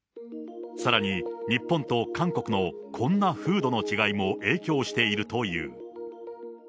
さらに、日本と韓国のこんな風土の違いも影響しているという。